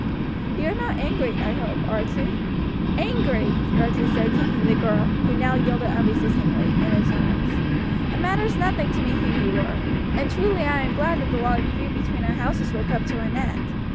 You are not angry, I hope, Archie?" "Angry!" Archie said, taking the girl, who now yielded unresistingly, in his arms. "It matters nothing to me who you were; and truly I am glad that the long feud between our houses will come to an end.